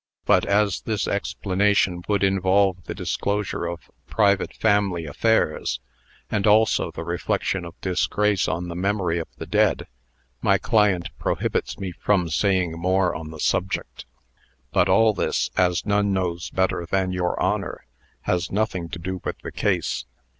But, as this explanation would involve the disclosure of private family affairs, and also the reflection of disgrace on the memory of the dead, my client prohibits me from saying more on the subject. But all this, as none knows better than your Honor, has nothing to do with the case.